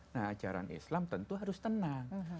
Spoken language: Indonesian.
nah ajaran islam tentu harus tenang